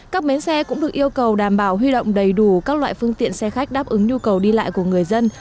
các bến xe cũng được yêu cầu đảm bảo huy động đầy đủ các loại phương tiện xe khách đáp ứng nhu cầu đi lại của người dân